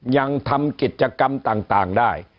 ยังทำกิจกรรมต่างได้